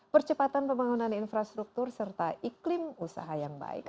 percepatan pembangunan infrastruktur serta iklim usaha yang baik